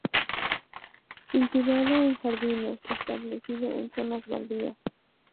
Cultivado en jardines; establecido en zonas baldías.